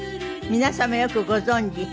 皆様よくご存じ